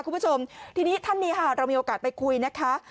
คุณผู้ชมทีนี้ท่านนี้ค่ะเรามีโอกาสไปคุยนะคะ